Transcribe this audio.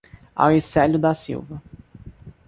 Auricelio da Silva